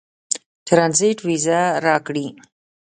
ټرنزیټ وېزه راکړي.